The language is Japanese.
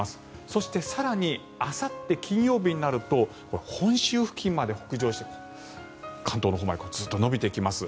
そして、更にあさって、金曜日になると本州付近まで北上して関東のほうまでずっと延びてきます。